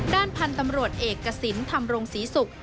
ด้านพันธุ์ตำรวจเอกกระสินทร์ทำโรงศรีศุกร์